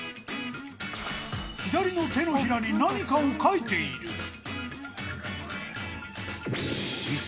左の手のひらに何かを書いている。